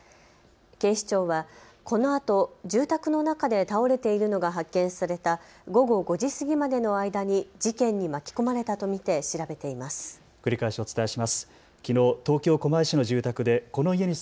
警視庁はこのあと住宅の中で倒れているのが発見された午後５時過ぎまでの間に事件に巻き込まれたと見て調べています。